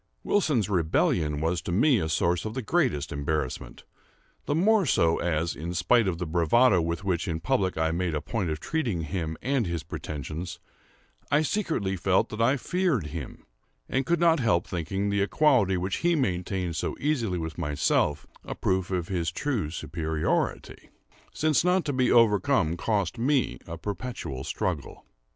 Wilson's rebellion was to me a source of the greatest embarrassment; the more so as, in spite of the bravado with which in public I made a point of treating him and his pretensions, I secretly felt that I feared him, and could not help thinking the equality which he maintained so easily with myself, a proof of his true superiority; since not to be overcome cost me a perpetual struggle.